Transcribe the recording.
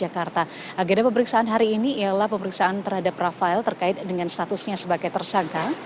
agenda pemeriksaan hari ini ialah pemeriksaan terhadap rafael terkait dengan statusnya sebagai tersangka